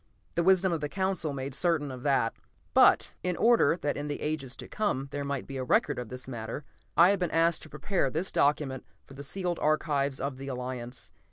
The wisdom of the Council made certain of that. But, in order that in the ages to come there might be a record of this matter, I have been asked to prepare this document for the sealed archives of the Alliance.